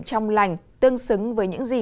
trong lành tương xứng với những gì